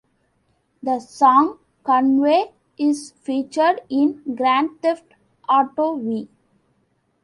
The song "Convoy" is featured in "Grand Theft Auto V".